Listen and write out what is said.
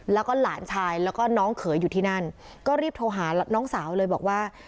แล้วก็หลานชายแล้วก็น้องเขยอยู่ที่นั่นก็รีบโทรหาน้องสาวเลยบอกว่า